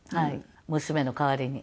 娘の代わりに。